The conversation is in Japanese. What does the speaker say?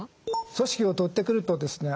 組織をとってくるとですね